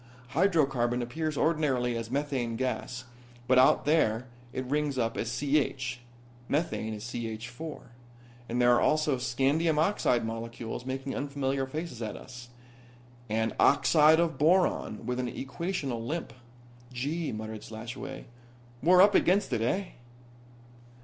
Hydrocarbon appears ordinarily as methane gas, but out there it rings up as CH. Methane is CH4. And there are also scandium oxide molecules making unfamiliar faces at us. And oxide of boron with an equational limp." "Gee," muttered Slashaway. "We're up against it, eh?"